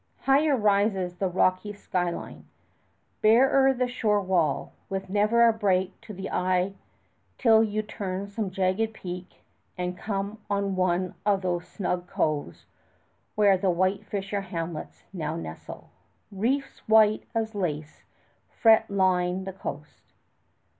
Higher rises the rocky sky line; barer the shore wall, with never a break to the eye till you turn some jagged peak and come on one of those snug coves where the white fisher hamlets now nestle. Reefs white as lace fret line the coast.